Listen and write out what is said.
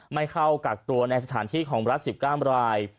ไม่เข้ากักตัวในสถานที่ของรัฐ๑๙ราย